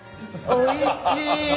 おいしい。